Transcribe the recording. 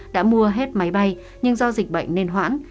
đã mua hết máy bay nhưng do dịch bệnh nên hoãn